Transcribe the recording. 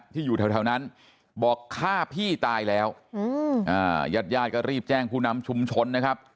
อยู่แถวนั้นบอกฆ่าพี่ตายแล้วยาดก็รีบแจ้งผู้นำชุมชนนะครับ